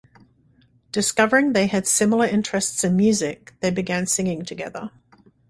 Discovering they had similar interests in music, they began singing together.